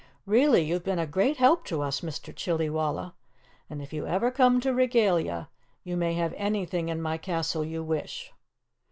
Really, you've been a great help to us, Mr. Chillywalla, and if you ever come to Regalia, you may have anything in my castle you wish!"